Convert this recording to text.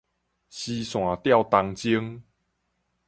絲線吊銅鐘